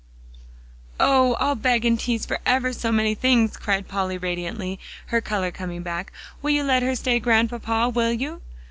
"Oh! I'll beg and tease for ever so many things," cried Polly radiantly, her color coming back. "Will you let her stay, Grandpapa will you?"